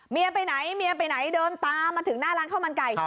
เมียไปไหนเมียไปไหนเดินตามมาถึงหน้าร้านข้าวมันไก่